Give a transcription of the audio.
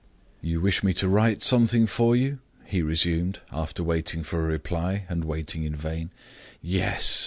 "You wish me to write something for you?" he resumed, after waiting for a reply, and waiting in vain. "Yes!"